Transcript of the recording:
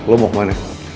lo mau kemana